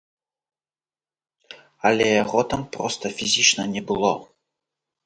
Але яго там проста фізічна не было!